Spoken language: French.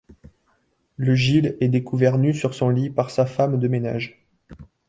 Le Gilles est découvert nu sur son lit par sa femme de ménage.